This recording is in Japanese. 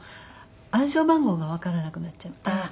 暗証番号がわからなくなっちゃって。